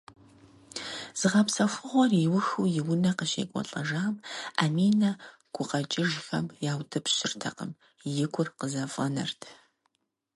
Зыгъэпсэхугъуэр иухыу и унэ къыщекӏуэлӏэжам, Аминэ гукъэкӏыжхэм яутӏыпщыртэкъым, и гур къызэфӏэнэрт.